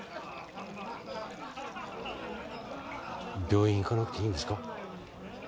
病院行かなくていいんですか？